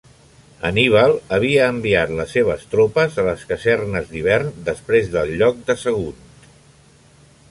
Anníbal havia enviat les seves tropes a les casernes d'hivern després del lloc de Sagunt.